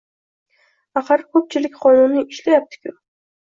Axir ko`pchilik qonuniy ishlayapti-ku